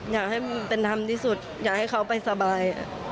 อยากให้มันเป็นธรรมที่สุดอยากให้เขาไปสบาย